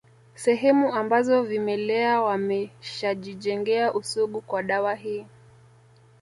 Sehemu ambazo vimelea wameshajijengea usugu kwa dawa hii